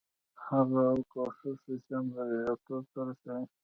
هڅه او کوښښ انسان بریالیتوب ته رسوي.